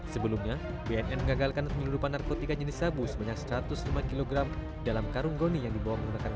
sebelumnya bnn mengagalkan penyelundupan narkotika jenis sabu sebanyak satu ratus lima kg dalam karung goni yang dibawa menggunakan